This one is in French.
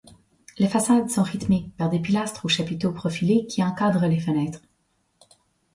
Les façades sont rythmées par des pilastres aux chapiteaux profilés qui encadrent les fenêtres.